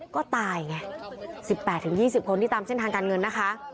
ก็ตายไง๑๘๒๐คนที่ตามเส้นทางการเงินนะคะ